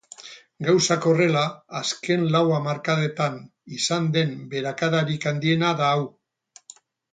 Gauzak horrela, azken lau hamarkadetan izan den beherakadarik handiena da hau.